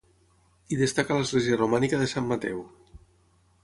Hi destaca l'església romànica de Sant Mateu.